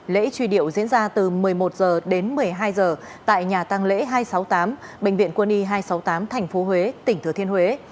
lễ truy điệu diễn ra từ một mươi một h đến một mươi hai h tại nhà tăng lễ hai trăm sáu mươi tám bệnh viện quân y hai trăm sáu mươi tám tp huế tỉnh thừa thiên huế